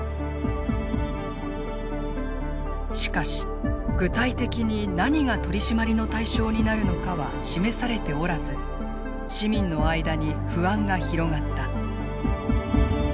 しかし具体的に何が取締りの対象になるのかは示されておらず市民の間に不安が広がった。